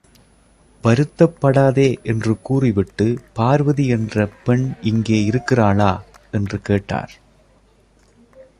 வருத்தப்படாதே என்று கூறிவிட்டு, பார்வதி என்ற பெண் இங்கே இருக்கிறாளா? என்று கேட்டார்.